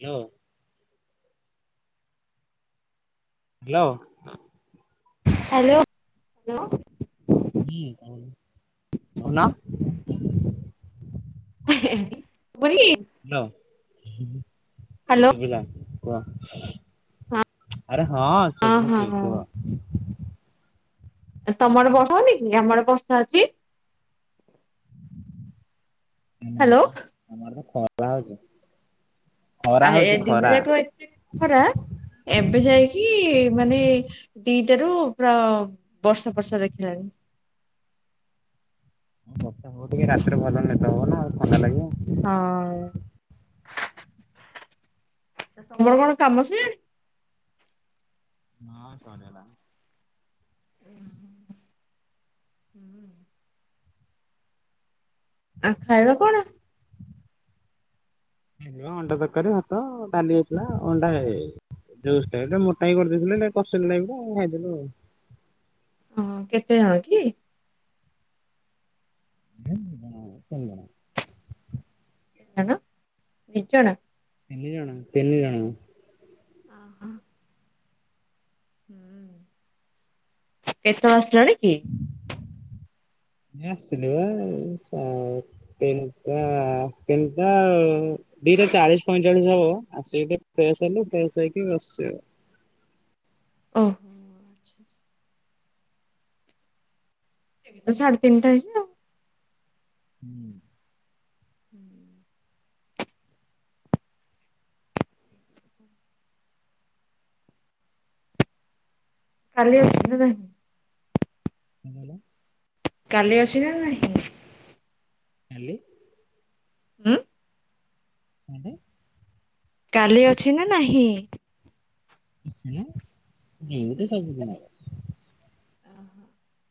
Hello. Hello. Hello hello. ହୁଁ କଉନ? [inaudible] Hello hello ସୁବିଲା କୁହ? ଆରେ ହଁ ହଁ ଶୁଭୁଚି କୁହ? ହଁ ତମର ବର୍ଷା ହଉନି କି ଆମର ବର୍ଷା ଅଛି। ହ୍ୟାଲୋ ନାଇଁ ଆମର ତ ଖରା ହଉଛି ଆ ଖରା ଏ ହଉଛି ଦିନ ଖରା। ଯାକ ଏତେ ଖରା ଏବେ ଯାଇକି ମାନେ ଦିଟାରୁ ପୁରା ବର୍ଷା ବର୍ଷା ଦେଖିଲାଣି। ହଁ ବର୍ଷା ହଉ ଟିକେ ରାତିରେ ଭଲ ନିଦ ହବନା ଆଉ ଥଣ୍ଡା ଲାଗିବ। ହଁ। ତମର କଣ କାମ ସଇଲାଣି? ହଁ ସରିଗଲା। ହ ହୁଁ ଆଉ ଖାଇବା କଣ? ଖାଇବା ଅଣ୍ଡା ଦରକାରୀ ଭାତ ଡାଲି ହୋଇଥିଲା ଅଣ୍ଡା ହେଇଯାଇ ଯୋଉ ମୋଟାକି କରିଦେଇଥିଲେ କସିଲା ଖାଇଦେଲୁ ଆଉ ହଁ କେତେ ଜଣ କି? [inaudible] କଣ ଦି ଜଣ। ତିନି ଜଣ ତିନି ଜଣ। ଓହୋ। ହୁଁ ନିଦ ଆସିଲାଣି କି? ଆସିଥିଲ ବା କେଲତା କେଲତା ଆଉ। ଦିଟା ଚାଳିଶ ପଇଁଚାଳିଶ ହବ ଆସିକି ଫ୍ରେଶ ହେଲୁ ଫ୍ରେଶ ହେଇକି ବସିବ। ଓହୋ। ସାଢେତିନଟା ହେଇଛି ତ [inaudible] [inaudible] କାଲି ଆସୁଧ ନାଇଁ [inaudible] କାଲି ଅସ ନା ନାହିଁ [inaudible] [inaudible] [inaudible] କାଲି ଅଛି ନା ନାହିଁ [unintelligible] [inaudible]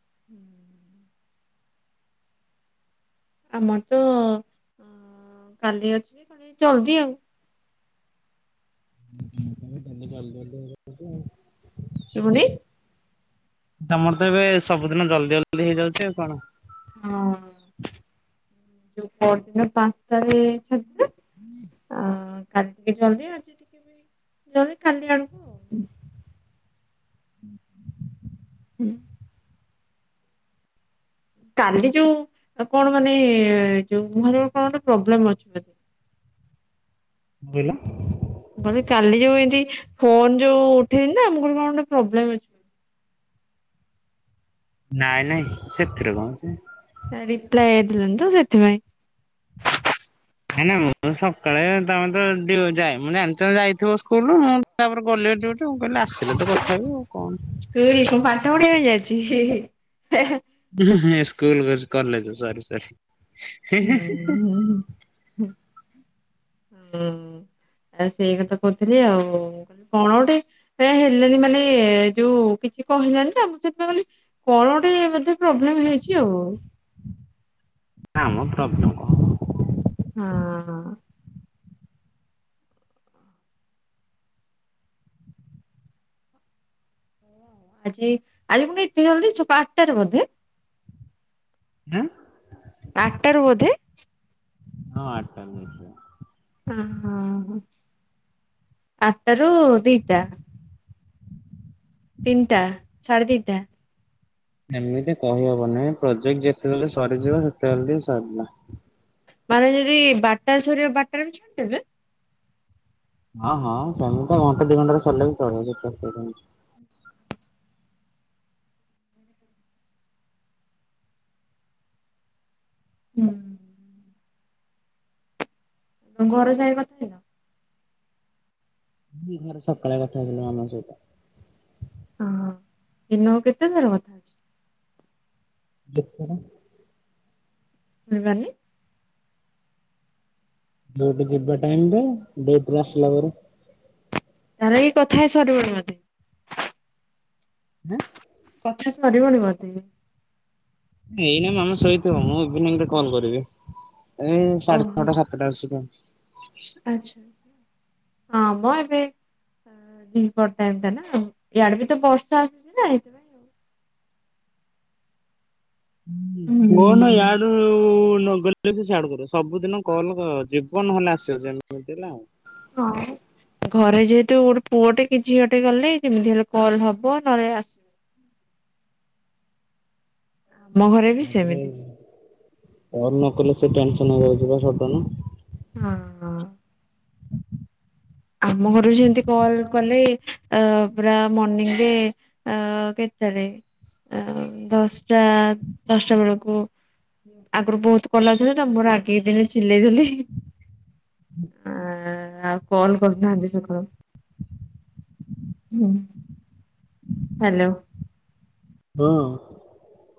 [inaudible] ଆମର ତ ଅ କାଲି ଅଛି ଯେ କ ଜଲଦି ଆଉ। ତା ଚାଲ ଆଉ [unintelligible] ତମର ତ ଏବେ ସବୁଦିନ ଜଲ୍ଦି ଜଲ୍ଦି ହେଇଯାଉଛି ଆଉ କଣ। ହଁ ଯୋଉ ପରଦିନ ପାଞ୍ଚଟାରେ ଛା [inaudible] ଆ କାଲି ଟିକେ ଜଲ୍ଦି ଆଜି ଟିକେ ବି ଜଲ୍ଦି କାଲି ଆଡକୁ ଆଉ [inaudible] କାଲି ଯୋଉ କଣ ମାନେ ଯୋଉ ମୁହଁରେ କଣ ମେ ପ୍ରୋବ୍ଲେମ ଅଛି ମଧେ [unintelligible] କେ କାଲି ଯୋଉ ଏମିତି ଫୋନ ଯୋଉ ଉଠେଇି ନା ଆମ ଘର କଣ ଗୋଟେ ପ୍ରୋବ୍ଲେମ ଅଛି। ନାଇଁ ନାଇଁ ସେଥିରେ କଣଛି। ରିପ୍ଲାଏ ହେଇଲ ତ ସେଥିପାଇଁ ନାଇଁ ନା ମୁଁ ସକାଳେ ତମେ ତ ଯା ମୁଁ ଜାଣି ଯାଇଥିବ ସ୍କୁଲରୁୁ ମୁଁ ତାପରେ ଗଲେ ଏ ଗୋଟେ କହିଲେ ଆସିଲେ ତ କଥା ହେବି ଆଉ କଣ ଏ କଣ ପାଠ ପଢିଆ ହେଇଯାଇଛି। ସ୍କୁଲ ଗ କଲେଜ ସରି ସରି। ହଁ ଆ ସେଇ କଥା କହୁଥିଲି ଆଉ। କଣ ଗୋଟେ ଏ ହେଲେଣି ମାନେ ଯୋଉ କିଛି କହିଲାନି ନା ମୁଁ ସେଥିପାଇଁ କ କଣ ଟେ ବେ ପ୍ରୋବ୍ଲେମ ହେଇଛି ଆଉ। ନା ମ ପ୍ରୋବ୍ଲେମ୍ କଣ। ହଁ ହଁ। [inaudible] ଆଜି ଆଜି ପୁଣି ଏତିକି ଜ ଛପା ଆଠଟ ରେ ମଧ୍ୟ [inaudible] ଆଠଟ ର ବୋଧେ ହଁ ଆଠ ଟା। ଓୋ ଆଠଟାରୁୁ ଦିଟା। ତିନ୍ତା ଛାଡେ ତିଣ୍ଟା। ଏମିତି କହିହବନି, ପ୍ରୋଜେକ୍ଟ ଯେତେବେଳେ ସରିଯିବ, ସେତେବେଳେଠୁ ସରିଲା। ମାନେ ଯଦି ବାରଟାରେ ସରିବ, ବାରଟାରେ ବି ଛାଡିଦେବେ? ହଁ ହଁ, ସେମିତି ତ ଘଣ୍ଟା ଦି ଘଣ୍ଟାରେ ସରିଲେ ବି ପଳେଇବ [unintelligible] ହୁଁ। ତମ ଘର ସା କଥା ହେଇନ? ଦି ଘରେ ସକାଳେ କଥା ହେଇଥିଲି ମାମା ସହିତ। ଅହ, ଦିନକୁ କେତେଥର କଥା ହଉଚୁ ଦି ଥର। ନେବାନି। ଡେଟ ଯିବା ଟାଇମଟା, ଡେଟ ରୁ ଆସିଲା ପରେ। ତାର ଏଇ କଥା ସରିବଣି ବୋଧେ। [unintelligible] କଥା ସରିବନି ବୋଧେ? ଏଇନା ମାମା ଶୋଇଥିବ, ମୁଁ ଇଭିନିରେ କଲ କରିବି, ଏ ସାଢେ ଛଅଟା ସା ସାତ ଟା ସୁଧା। ଆଛା, ହଁମ ଏବେ ଦି ପହର ଟାଇମ ଟା ନା, ଇଆଡେ ବି ତ ବର୍ଷା ଆସୁଚି ନା ଏ। ମୋର ନା ହୁଁ। ୟାଡୁ ନ ଗଲେ ବି ଛାଡୁ କର, ସବୁଦିନ କଲ ଜୀବ ନ ହେଲେ ଆସିବ, ଏମିତି ହେଲା ଆଉ। ହଁ। ଘରେ ଯେହେତୁ ଗୋଟେ ପୁଅଟେ କି ଝିଅଟେ ଗଲେ, ଯେମିତି ହେଲେ କଲ ହବ ନହେଲେ ଆସ ମୋ ଘରେ ବି ତାପରେ ସେମିତି କଲ ନ କଲ ସେ ଟେନସନ୍ ହେଇ ଯାଉଚି ପା ସଡନ। ହଁ ହଁ। ଆମ ଘରୁ ବି ସେମିତି କଲ କଲେ, ପୁରା ମର୍ଣିଂରେ ଅ କେତେଟାରେ, ଅ ଦଶଟା, ଦଶଟା ବେଳକୁ ଆଗରୁ ବହୁତ ଭଲ ଥିଲା ତ, ମୁଁ ରାଗିକି ଦିନେ ଚିଲେଇ ଦେଲି। [unintelligible] ଆଉ କଲ କରୁନାହାନ୍ତି ସକାଳୁ। ହୁଁ, ହାଲୋ। ହଁ।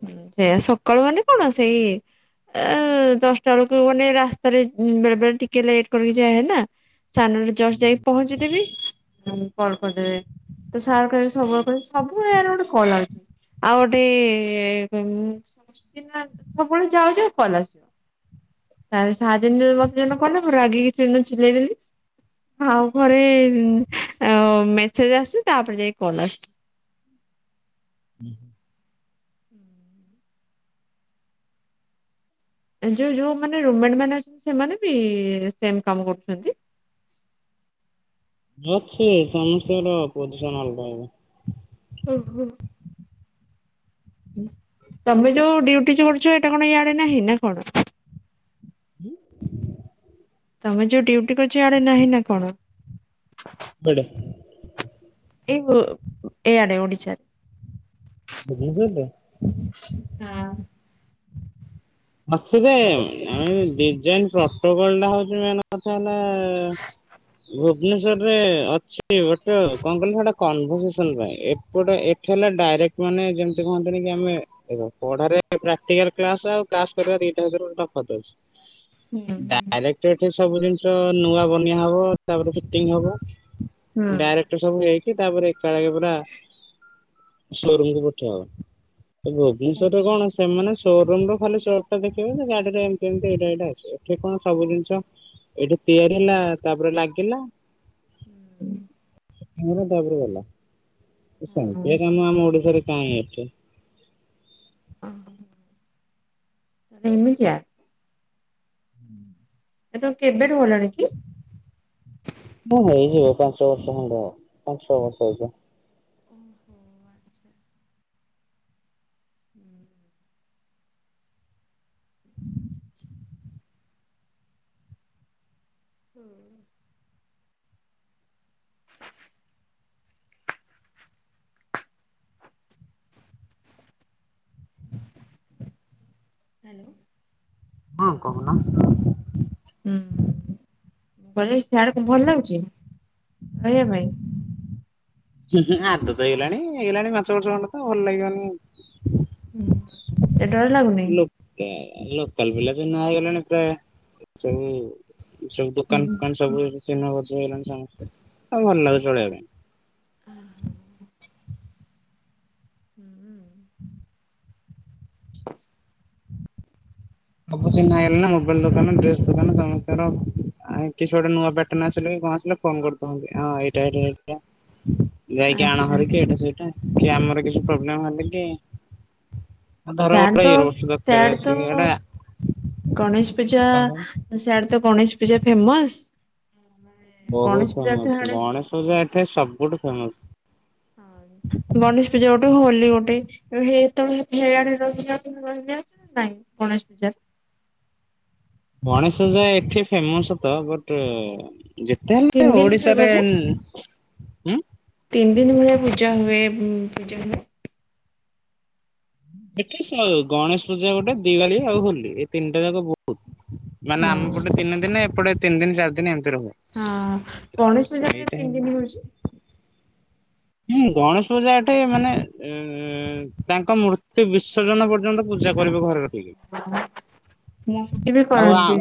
ହୁଁ, ସେଇଆ, ସକାଳୁ ମାନେ କଣ, ସେଇ ଆ ଦଶଟା ବେଳକୁ ମାନେ ରାସ୍ତାରେ ବେଳେ ବେଳେ ଟିକେ ଲେଟ୍ କରିକି ଯାଏହାରି ନା? ସାନରେ ଜଷ୍ଟ ଆଇ ପହଞ୍ଚି ଥିବି ହଁ କଲ୍ କରିଦେବେ, ତ ସାର୍ କହିବେ, ସବୁବେଳେ କହିବେ, ସବୁବେଳେ ୟାର ଗୋଟେ କଲ ଆଉଚି। ଆଉ ଗୋଟେ [unintelligible] ସବୁବେଳେ ଯାଉ ଯାଉ କଲ ଆସିବ। ତ ସାର ଜିନ ମତେ ଜଣ କଲେ, ମୁଁ ରାଗିକି ସେଦିନ ଚିଲେଇ ଦେଲିି। ଆଉ ଘରେ ମେସେଜ ଆସୁଚି, ତାପରେ ଯାଇ କଲ୍ ଆସୁଚି। ହୁଁ ହୁଁ। ହୁଁ ଉଁ ଯୋଉ ଯୋଉ ମାନେ ରୁମମେଟ ମାନେ ଅଛନ୍ତି, ସେମାନେ ବି ସେମ୍ କାମ କରୁଚନ୍ତି? ଅଛି, ସମସ୍ତଙ୍କର ପୋଜିସନ ଅଲଗା ଏବେ। ଓ ହୋ। ତମେ ଯୋଉ ଡ୍ୟୁଟି ଯୋ କରୁଚ, ଏଇଟା କଣ ଇଆଡ଼େ ନାହିଁ, ନା କଣ? ହୁଁ। ତମେ ଯୋଉ ଡ୍ୟୁଟି କରଛ ଆଡେ ନାହିଁ ନା କଣ? ବଡ଼ ଏଇ ଓ ଏଇଆଡ଼େ ଓଡ଼ିଚାରେ। ଭୂମିପଟା? ହଁ। ଅଛି ଯେ ଡିଜାଇନ ପ୍ରୋଟୋକଲ ଟା ହଉଛି ମେନ। କଥା ହେଲା ଭୁବନେଶ୍ଵରରେ ଅଛି। ଗୋଟେ କଣ କହିଲ ସେଟା କନଭରସେସନ ପାଇଁ ଏପଟେ ଏଠି ହେଲା ଡାଇରେକ୍ଟ ମାନେ ଯେମ କୁହନ୍ତିନି କି ଆମେ ପଢ଼ାରେ ପ୍ରାକ୍ଟିକାଲ କ୍ଲାସ ଆଉ କ୍ଲାସ୍ କରିବା ଦିଇଟା ଅଧେରୁ ତଫାତ ଅଛି। ହୁଁ। ଡାଇରେକ୍ଟ ଏଠି ସବୁ ଜିନିଷ ନୂଆ ବନିଆ ହବ ତାପରେ ଫିଟିଙ୍ଗ ହବ ହୁଁ। ଡାଇରେକ୍ଟ ସବୁ ହେଇକି ତାପରେ ଏକାଳଗ ପୁରା ସୋରୁମ୍ କୁ ପଠା ହେବ। ଭୁବନେଶ୍ରରେ ଓହୋ। କଣ ସେମାନେ ସୋରୁମ ର ଖାଲି ଅଟୋ ଦେଖିବ ନା ଗାଡି଼ ରେ ଏମିତି ଏମତି ଏଇଟା ଏଇଟା ଆସିବ ଏଠି କଣ ସବୁ ଜିନିଷ ଏଇଠି ତିଆରି ହେଲା ତାପରେ ଲାଗିଲା। ହୁଁ। ତାପରେ ଗଲା ହଁ ସାତିଆ କାମ ଆମ ଓଡି଼ଶାରେ କାହିଁ ଏତେ? ଓହୋ ଏମିତିଆ। [inaudible] ଏ ତୁ କେବେଠୁ ଗଲଣି କି? ମୁଁ ହେଇଯିବ ପାଞ୍ଚ ବର୍ଷ ଖଣ୍ଡେ ହବ ପାଞ୍ଚ ଛଅ ବର୍ଷ ହେଇଯ। ଓହୋ ଆଚ୍ଛା। ହୁଁ। [inaudible] ହୁଁ। [unintelligible] ହଁ କହୁନ। ହୁଁ କହିଲି ସିଆଡକୁ ଭଲଲାଗୁଛି ରହିବାପାଇଁ। ଆଦତ ହେଇଲାଣି ହେଇଲାଣି ପାଞ୍ଚବର୍ଷ ଖଣ୍ଡେତ ଭଲ ଲାଗିବନି। ହୁଁ ସେଠି ଡର ଲାଗୁନି। ନା ଲୋକାଲ ପିଲାତ ଚିହ୍ନା ହେଇଗଲାଣି ପ୍ରାୟ ସବୁ। ସବୁ ଦୋକାନଫୁକାନ ସବୁ ଚିହ୍ନାପରିଚୟ ହେଇଲାଣି ସମସ୍ତେ ଆଉ ଭଲଲାଗୁଚି ରହିବାକୁ। ଆ ହା। ହୁଁ। [inaudible] [inaudible] ସବୁ ଚିହ୍ନା ହେଇଗଲେଣି ନା ମୋବାଇଲଦୋକାନ ଡ୍ରେସ ଦୋକାନ ସମସ୍ତଙ୍କର। ଆ କିଛି ଗୋଟେ ନୂଆ ପ୍ୟାଟର୍ଣ ଆସିଲେ କଣ ଆସିଲ ଫୋନ କରିୁଥାନ୍ତି ହଁ। ଆଚ୍ଛା [unintelligible] କି ଆମର କିଛିପ୍ରୋବ୍ଲେମ ହେଲେକି ସିଆଡେ ତ [unintelligible] ଗଣେଶପୂଜା କଣ କହନି ସିଆଡେ ତ ଗଣେଶପୂଜା ଫେମସ। ବହୁତଫେମସ ଗଣେଶପୂଜା ଏଠି ସବୁଠୁଫେମସ। [inaudible] ଗଣେଶପୂଜା ଗୋଟେ ହୋଲି ଗୋଟେ [unintelligible] ହେଇଆଡରହୁଚ [unintelligible] ନାଇଁ ଗଣେଶପୂଜା। ଗଣେଷ ପୁଜା ଏଠି ଫେମସ୍ ତ ବଟ ଯେତେହେଲେ ତିନି ଦିନ ହୁଏ ଓଡିଶାରେ ଉଁ ତିନିଦିନ ଭଳିଆ ପୂଜାହୁଏ ଉଁ ପୂଜା ହୁଏ। ଏଠି [unintelligible] ଗଣେଶପୂଜା ଗୋଟେ ଦିିବାଳି ଆଉ ହୋଲି ଏଇତିନିଟା ଯାକ ବୋ ମାନେ ଆମ ହଁ। ପଟେ ଦିନେଦିନେ ଏପଟେ ତିନିଦିନ ଚାରିଦିନ ଏମିତି ରୁହିବ। ହଁ ଗଣେଶ ପୂଜା ତିନିଦିନ୍ ହଉଚି। ହୁଁ ଗଣେଶ ପୂଜା ଏଠି ମାନେ ଏ ତାଙ୍କ ମୂର୍ତ୍ତି ବିସର୍ଜନ ପର୍ଯ୍ୟନ୍ତ ପୂଜାକରିବୁ ଘରେ ରଖିକି ମସ୍ତି ବି ଆଉ ଆ କରନ୍ତି।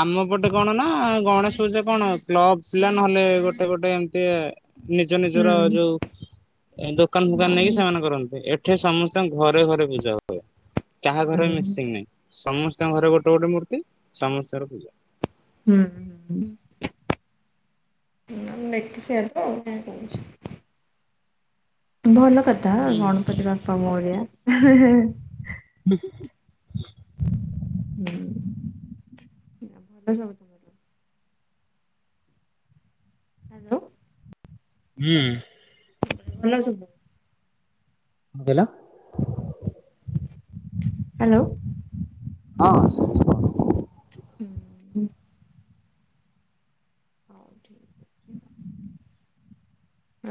ଆମପଟେ କଣନା ଗଣେଶ ପୂଜା କଣ କ୍ଲବପିଲା ନହେଲେ ଗୋଟେଗୋଟେ ଏମ୍ତି ନିଜ ନିଜର ହୁଁ ଯୋଉ ଦୋକାନଫୁକାନ ଆଉ ନେଇକି ହୁଁ ସେମାନେ କରନ୍ତି ଏଠ୍ ଏଠି ସମସ୍ତଙ୍କ ଘରେଘରେ ପୂଜା ହୁଏ କାହା ଘରେ ହୁଁ ମିସିଙ୍ଗ୍ ନାଇଁ। ସମସ୍ତଙ୍କ ଘରେ ଗୋଟେଗୋଟେ ମୂର୍ତ୍ତି ସମସ୍ତଙ୍କର ପୂଜା। ହଁ [unintelligible] ଭଲକଥା ହୁଁ ଗଣପତିବାପା ମୋରିଆ। [inaudible] ହୁଁ [inaudible] ହ୍ୟାଲୋ। ହୁଁ! ଭଲ ସବୁ? କଣ କଇଲ? ହ୍ୟାଲୋ। ହଁ! [inaudible] [inaudible]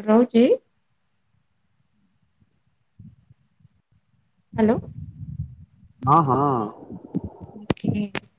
ରହୁଚି। ହ୍ୟାଲୋ। ହଁ ହଁ। [unintelligible]